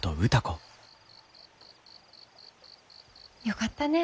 よかったね。